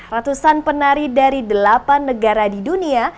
ratusan penari dari delapan negara di dunia